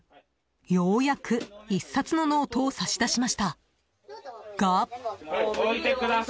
ようやく、１冊のノートを差し出しましたが。